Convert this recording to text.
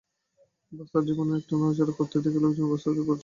বস্তার ভেতর কিছু একটা নড়াচড়া করতে দেখে লোকজন বস্তাটি সড়কের ওপর ওঠান।